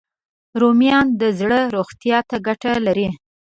رومیان د زړه روغتیا ته ګټه لري